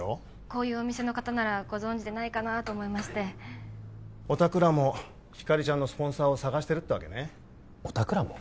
こういうお店の方ならご存じでないかなと思いましてオタクらもひかりちゃんのスポンサーを探してるってわけね「オタクらも」？